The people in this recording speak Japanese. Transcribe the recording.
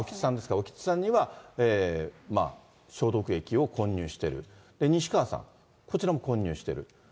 興津さんには消毒液を混入してる、西川さん、こちらも混入している。